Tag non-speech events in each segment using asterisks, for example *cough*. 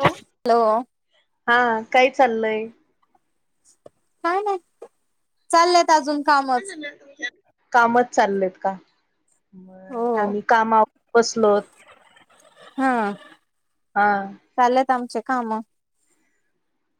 Low hello आ काय चालंलय? काय नाय चाल्यात त अजून कामं. का झालं तुमच्या? कामचं चाललेत का बरं आम्ही काम आवरून बसलोत. हां. आ. चाललेत आमचे कामं.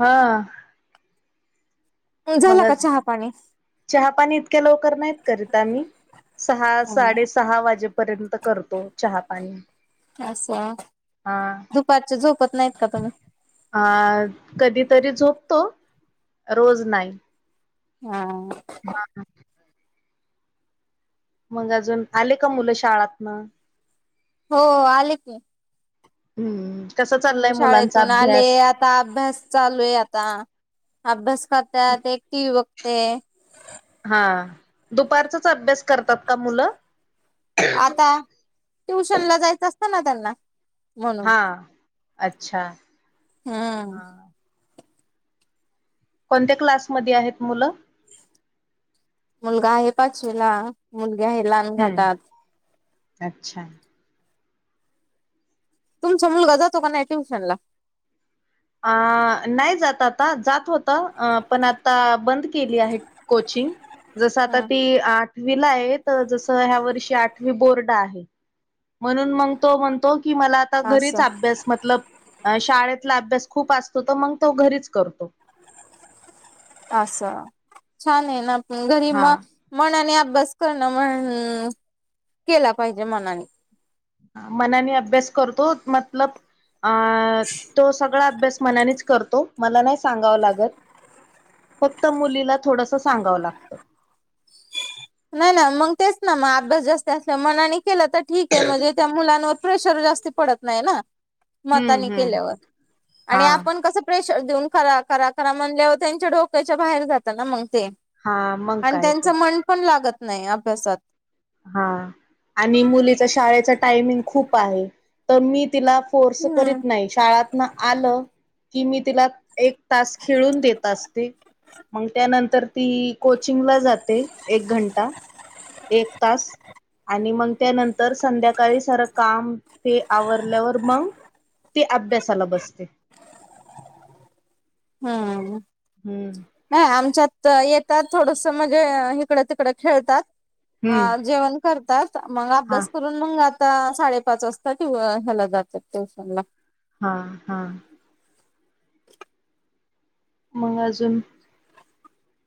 हां. अं झाला का मगच चहा पाणी? चहा पाणी इतक्या लवकर नाईत करत आम्ही सहा साडे सहा वाजे पर्यंत करतो चहा पाणी. असा हा दुपारचं झोपत नाहीत का तुम्ही? अ कधी तरी झोपतो रोज नाई. हा. हा हा. मग अजून आले का मुलं शाळांतन? हो आले की. हम्म कस चाललंय मुलं मुलांचा शाळेतून आले अभ्यास आता अभ्यास चालू ये आता. अभ्यास करत्यात, एक टी व्ही बघते. हा दुपारचांच अभ्यास करतात का मुलं? आता ट्यूशनला जायचं असतं ना त्यांना म्हणून हा अच्छा हम्म. हा कोणत्या क्लास मध्ये आहेत मुलं? मुलगा आहे पाचवीला मुलगी आहे ला हम्म अच्छा. तुमचा मुलगा जातो का नाय ट्यूशनला? अ नाई जात आता जात होता, अ पण आता बंद केली आहे. कोचिंग जस आता ती आ वीला आहे तर जसं ह्या वर्षी आठवी बोर्ड आहे. म्हणून मग तो म्हणतो की मला आ ता घरीच असं अभ्यास मतलब अ शाळेतला अभ्यास खूप असतो तर मग तो घरीच करतो. असं छान हाय ना घरी हा. मग मनाने अभ्यास करणं म्हण केला पायजे मनाने अ मनाने अभ्यास करतो मतलब अ तो सग सगळा अभ्यास मनानेच करतो, मला नाय सांगावं लागत. फक्त मुलीला थोडंस सांगावं लागतं. नाय ना मग तेच ना मग अभ्यास जास्ती असला मनाने केला तर ठीकय म्हणजे त्या मुलांवर प्रेशर जास्ती पडत नाय ना. मतानी हम्म हम्म केल्यावर आणि हा आपण कसं प्रेशर देऊन करा करा करा म्हणल्यावर त्यांच्या डोक्याच्या बाहेर जातं ना मग ते हा मग आणि काय ते. त्यांच मन पण लागत नाय अभ्यासात हा आणि मुलीचा शाळेचा टायमिंग खूप आहे, तर मी तिला फोर्स हम्म करीत नाही, शाळात नं आलं की, मी तिला एक तास खेळून देत असते. मग त्यानंतर ती, कोचिंगला जाते एक घंटा, एक तास आणि मग त्यानंतर संध्याकाळी सारं काम ते आवरल्यावर म ती अभ्यासाला बसते. हा हा. हम्म. नाही आमच्यात येतात थोडसं म्हणजे हिकडं-तिकडं खेळतात. अ हम्म जेवण करतात, मग हा अभ्यास कर पण मंग आता साडेपाच वाजता ट्यू ह्याला जातात ट्यूशनला हा, हा. मग अजून?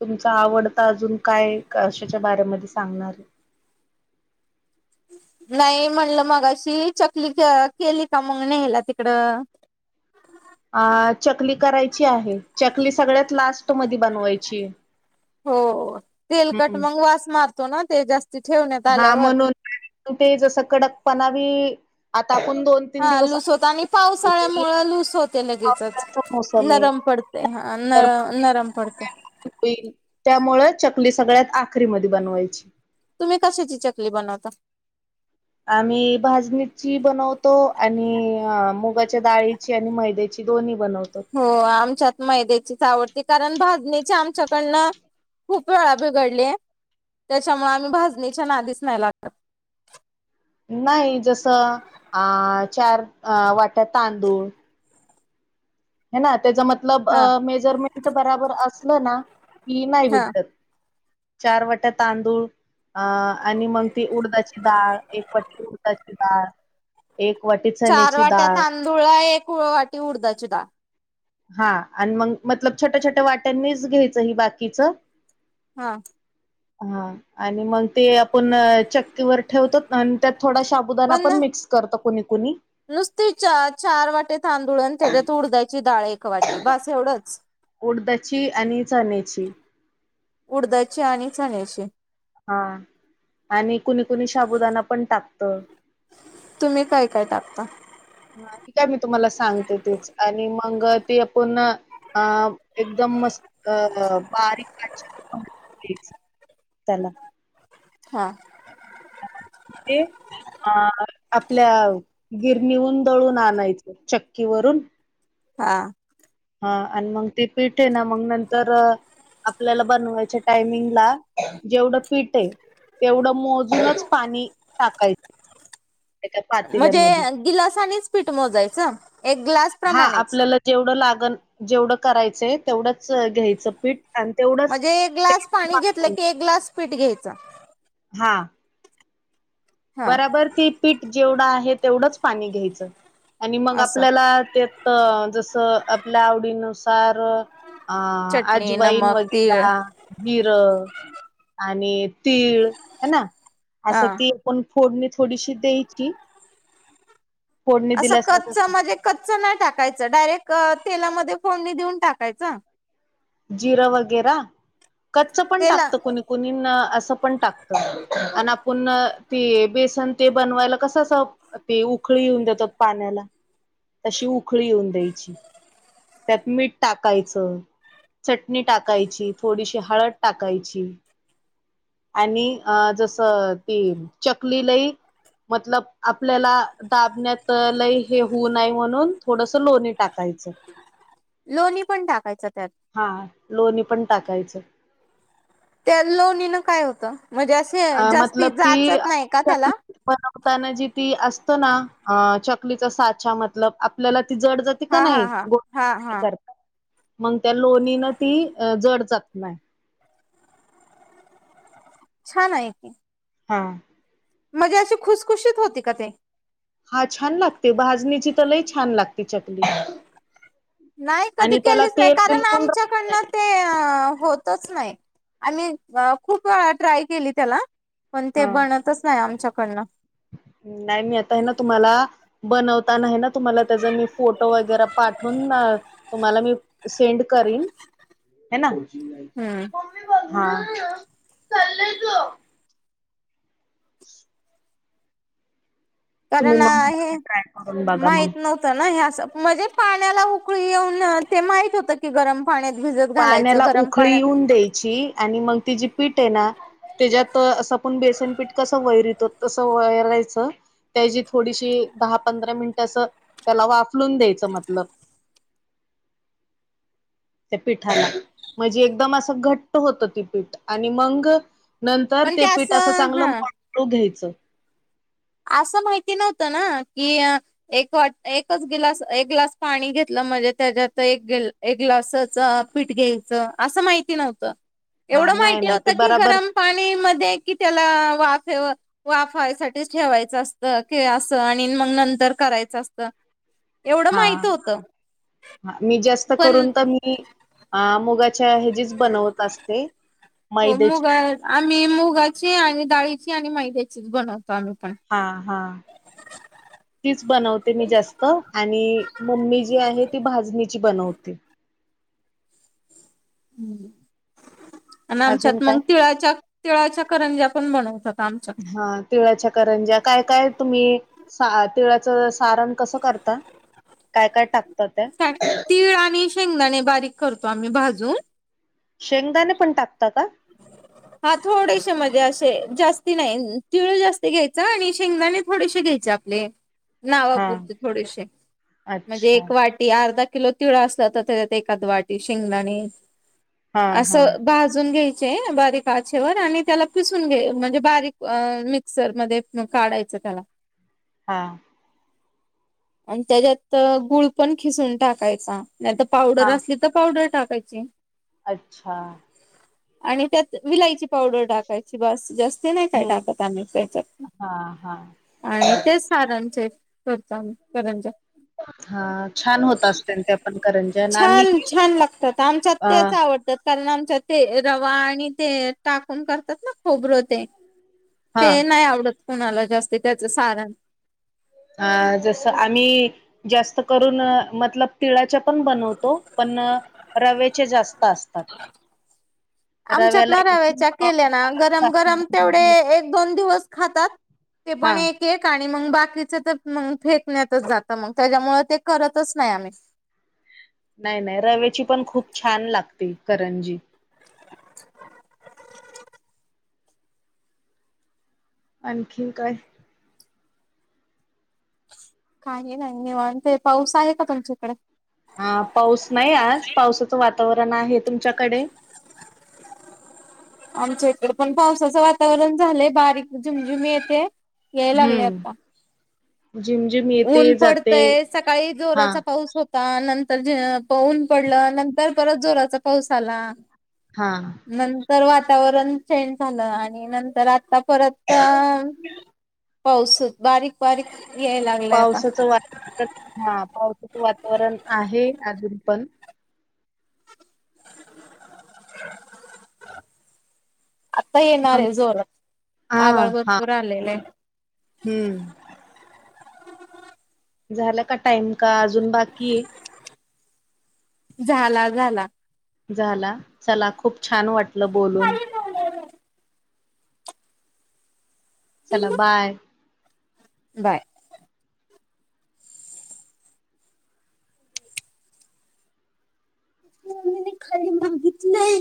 तुमचा आवडता अजून काये? कशाच्या बारेमधी सांगणार? नाही म्हणलं, मगाशी चकली क केली का? मग न्ह्यायला तिकडं. अ चकली करायची आहे, चकली सगळ्यात लास्ट मधी बनवायची. हो, तेलकट हम्म. मग वास मारतो ना ते जास्त हा म्हणून ते जसं कडकपणाबी, आता आपण दोन तीन हा दिवस लूस होत आणि पावसाळ्यामुळं लूस होते लगेचच. पावसाचा मोसम आहे नरम पडते हा, न तर नरम पडते. होईल, त्यामुळं चकली सगळ्यात आखरी मध्ये बनवायची. तुम्ही कशाची चकली बनवता? आम्ही भाजणीची बनवतो आणि मुगाच्या डाळीची आणि मैद्या ची दोन्ही बनवतो. हो आमच्यात मैद्याचीच आवडती, कारण भाजणीची आमच्याकडनं खूप वेळा बिघडलेय. त्याच्यामुळे आम्ही भाजणीच्या नादीच नाय लागत. नाही जसं अ, चार अ वाट्या तांदूळ हेना त्याचा मतलब, हा मेजरमेंट बराबर असलं ना की नाही हा बिघडत, चार वाट्या तांदूळ अ आणि मग ती उडदाची डाळ, एक पट्टी उडदाची डाळ. एक वाटीच चार वाट्या तांदूळला, एक वाटी उडदाची डाळ. हा आणि मग, मतलब छोट्या-छोट्या वाट्यांनीच घ्यायचं हे बाकीच. हा. हा आणि मग ते आपण चक्कीवर ठेवतोत ना आणि त्यात थोडा शा बुदाणा पण मिक्स करत कुणी कुणी. नुसती चार, चार वाटी तांदूळ अन् तेच्यात उडदाची डाळ एक वाटी, बास एवढंच. उडदाची आणि चण्याची उडदाची आणि चण्याची हा आणि कुणी कुणी शाबुदाना पण टाकतं. तुम्ही काय काय टाकता? *unintelligible* मी तुम्हाला सांगते तीच आणि मग ती आपण एकदम मस्त *unintelligible* त्याला हा. ते आ, आपल्या गिरणीहून दळून आणायचं, चक्कीवरून. हा. हा आणि मग ते पिठ आहे ना, मग नंतर आपल्याला बनवायच्या टायमिंगला जेवढं पीठ आहे. तेवढं मोजूनच पाणी टाकायचं. त्या पातेल्यामध्ये. म्हणजे गिलासानीच पिठ मोजायचं? एक ग्लास हा प्रमाणेच आपल्याला जेवढं लागण, जेवढं करायचंय तेवढंच घ्यायचं पीठ. आणि तेवढंच म्हणजे एक ग्लास पाणी घेतलं की एक ग्लास पीठ घ्यायच? हा. हा बरोबर ते पीठ जेवढं आहे, तेवढंच पाणी घ्यायचं. आणि मग असं आपल्याला त्यात जसं आपल्या आवडीनुसार चटणी अजावाईन नमक तीळ वगैरे जीरं आणि तीळ हे ना हा असं फोडणी थोडीशी द्यायची. फोडणी असं कच्च दिल्यासारखं म्हणजे कच्च नाही टाकायचं डायरेक्ट तेलामध्ये फोडणी देऊन टाकायचं. जिरं वगैरा, कच्च पण तेला टाकतं कुणी ना असं पण टाकत आणि आपण ते बेसन ते बनवायला कसं असं ते उखळी येऊन देतात पाण्याला. तशी उखळी येऊन द्यायची. त्यात मीठ टाकायचं. चटणी टाकायची, थोडीशी हळद टाकायची. आणि अ जसं ती चकली लई मतलब आपल्याला दाबण्यात लय हे होऊ नाही म्हणून थोडस लोणी टाकायचं. लोणी पण टाकायच त्यात. हा लोणी पण टाकायचं त्या लोणीनं काय होतं म्हणजे असे अ जास्ती मतलब ती जाचत नाही का त्याला? चकली बनवताना जी ती असत ना चकलीचा साचा मतलब आपल्याला ती जड तिथं हा हा नाही. हा हा हा *unintelligible* मग त्या लोणीन ती जड जात नाही. छान आहे की. हा म्हणजे अशी खुसखुशीत होती का ते? हा छान लागते. भाजणीची तर लई छान लागते चकली. नाही. कधी आणि त्याला केलीच नाही तेल कारण बिलकुल राहत नाही आमच्याकडनं ते होतच नाही. आम्ही खूप ट्राय केली त्याला पण ते हा बनतच नाही आमच्याकडन. नाही मी आता आहे ना तुम्हाला बनवताना आहे ना तुम्हाला त्याचा मी फोटो वगैरे पाठवून तुम्हाला मी सेंड करीन. हाय ना. मम्मी हम्म पप्पा *unintelligible* *inaudible* तुम्ही कारण मग हे ट्राय करून बघा मग माहित न्हवं त हे अस, म्हणजे पाण्याला उकळी येऊन ते माहित होत की गरम पाण्यात भिजत घालायचं पाण्याला गरम उखळी पाण्यात येऊन द्यायची आणि मग ति जे पीठ आहे ना तेज्यात असं आपण बेसन पीठ कसं वैरीतो तसं वैरायच त्याची थोडीशी दहा पंधरा मिनिट असं त्याला वाफलून द्यायच मतलब त्या पिठाला म्हणजे एकदम असं घट्ट होत ते पीठ आणि मंग नंतर ते पीठ असं चांगलं मळू मळू घ्यायच. असं माहिती नव्हतं ना की अ एक वाट, एकच गिलास, एक ग्लास पाणी घेतलं म्हणजे त्याच्यात एक गिल एक ग्लासाच पीठ घ्यायचं, असं माहिती नव्हतं, हा एवढं नाही माहिती नाही ते होतं की बराबर गरम पाणी मध्ये कि त्याला वाफेव वाफाय साठीच ठेवायचं असत की अस, आणि मग नंतर करायच असतं एवढं हा माहित होतं. हा मी जास्त पण करून तर मी, अ मुगाच्या ह्याजिच बनवत असते. हो मुगा, मैद्याची आम्ही मुगाची आणि डाळीची आणि मैद्याचीच बनवतो आम्ही पण. आ हा तीच बनवते मी जास्त, आणि मम्मी जी आहे ती भाजणीची बनवते. हम्म आणि अजून आमच्यात काय मंग तिळाच्या तिळाच्या करंजा पण बनवतात आमच्या हा तिळाच्या करंज्या, काय काय तुम्ही सा, तिळाचं सारण कसं करता?, काय काय टाक टाक, तीळ आणि शेंगदाणे बारीक करतो आम्ही भाजून शेंगदाणे पण टाकता का? हा थोडेशे म्हणजे अशे जास्ती नाही, तिळ जास्त घ्यायचं आणि शेंगदाणे थोडेशे घ्यायचे आप ले हा नावापुरते थोडेशे, म्हणजे अच्छा एक वाट टी अर्धा किलो तिळ असला तर, त्याच्यात एखाद वाटी शेंगदाणे हा हा असं भाजून घ्यायचे, बारीक आचेवर आणि त्याला पिसून घे म्हणजे, बारीक अ मिक्सर मध्ये काढायचं त्याला. हा. आणि त्याज्यात अ गुळ पण खिसून टाकायचा. नाहीतर पावडर हा असली तर पावडर टाकायची. अच्छा. आणि त्यात विलायची पावडर टाकायची बास, जास त नाही काय हम्म टाकत आम्ही त्याच्यात. हा हा आणि तेच सारनचे करतो आम्ही करंज्या. हा छान होत असतील त्या पण करंज्या आणि आम्ही छान-छान लागतात, आमच्यात अ तेच आवडतात. कारण आमच्यात ते रवा आणि ते टाकून करतात ना खोबर ते हा ते नाही आवडत कुणाला जास्त त्याचं सारण. अ जसं आम्ही जास्त करून अ मतलब तिळाच्या पण बनवतो पण, रव्याच्या जास्त असतात. आमच्यात रव्याला ना एकदम रव्याच्या केल्या ना गरम गरम तेवढे एक दोन दिवस खातात, ते हा पण एक केक आणि मंग बाकीच तर मंग फेकण्यातच जात मंग त्याच्यामुळ ते करतच नाही आम्ही. नाही नाही, रव्याची पण खूप छान लागते करंजी. आणखीन काय? काही नाही, निवांत आहे, पाऊस आहे का तुमच्याकडे? हा पाऊस नाही आज, पावसाचं वातावरण आहे, तुमच्याकडे? आमच्या इकडे पण पावसाचं वातावरण झालंय, बारीक झिमझिम येते, याय लागलय आता. जिम जिम ये ऊन पडतंय, सकाळी जोराचा पाऊस हो सहा नंतर जे प ऊन पडलं, नंतर परत जोराचा पाऊस आला. हा हा. नंतर वातावरण चेंज झालं आणि नंतर आता परत पाऊस, बारीक बारीक यायला लागलाय आता पावसाचं, *unintelligible* हा पावसाचं वातावरण आहे अजून पण. आता येणार मग आहे जोरात, हा आभाळ हा भरपूर आलेलंय. हम्म. झाला का टाइम का अजून बाकीये? झाला, झाला. झाला, चला खूप छान वाटलं बोलून. चला, बाय. बाय. मम्मीने खाली मागितलंय.